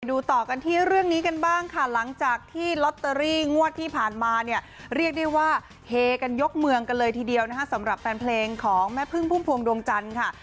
ต่อกันที่เรื่องนี้กันบ้างค่ะหลังจากที่ลอตเตอรี่งวดที่ผ่านมาเนี่ยเรียกได้ว่าเฮกันยกเมืองกันเลยทีเดียวนะคะสำหรับแฟนเพลงของแม่พึ่งพุ่มพวงดวงจันทร์ค่ะ